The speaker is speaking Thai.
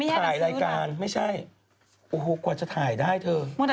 หลักศาอิเมต